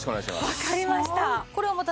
わかりました。